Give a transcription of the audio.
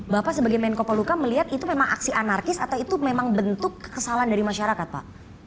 bapak sebagai menko poluka melihat itu memang aksi anarkis atau itu memang bentuk kekesalan dari masyarakat pak